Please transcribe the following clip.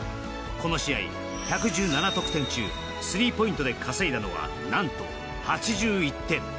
この試合１１７得点中スリーポイントで稼いだのは何と８１点。